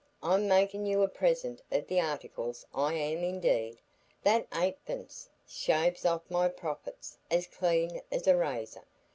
I'm makin' you a present o' th' articles; I am, indeed. That eightpence shaves off my profits as clean as a razor.